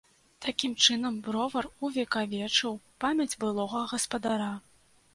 Такім чынам бровар увекавечыў памяць былога гаспадара.